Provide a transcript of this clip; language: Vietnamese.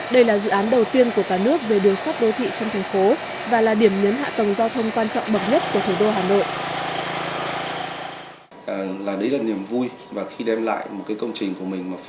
đây là dự án đầu tiên của cả nước về đường sắt đô thị trong thành phố và là điểm nhấn hạ tầng giao thông quan trọng bậc nhất của thủ đô hà nội